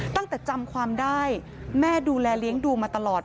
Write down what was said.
จำความได้แม่ดูแลเลี้ยงดูมาตลอด